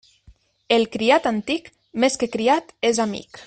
El criat antic, més que criat és amic.